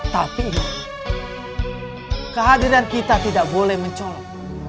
tapi kehadiran kita tidak boleh mencolok